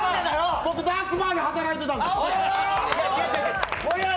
僕、ダーツバーで働いてたんです。